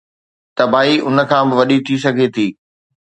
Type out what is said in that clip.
تباهي ان کان به وڏي ٿي سگهي ٿي.